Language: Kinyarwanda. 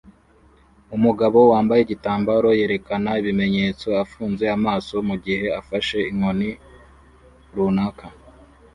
Umugabo wambaye igitambaro yerekana ibimenyetso afunze amaso mugihe afashe inkoni runaka